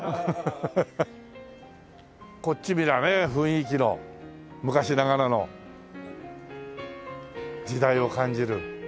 こっち見りゃねえ雰囲気の昔ながらの時代を感じる。